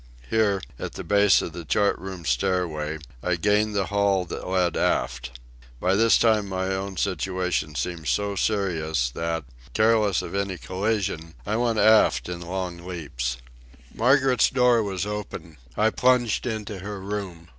Here, at the base of the chart room stairway, I gained the hall that led aft. By this time my own situation seemed so serious that, careless of any collision, I went aft in long leaps. Margaret's door was open. I plunged into her room.